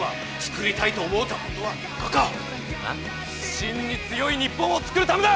真に強い日本を作るためだ！